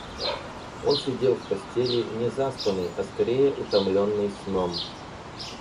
Он сидел в постели, не заспанный, а скорее утомленный сном.